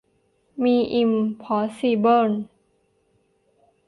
ดิอิมพอสสิเบิ้ล